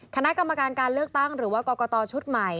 คณะกรรมการการเลือกตั้งหรือว่ากรกตชุดใหม่